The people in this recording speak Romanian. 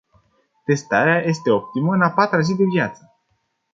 Testarea este optimă în a patra zi de viață.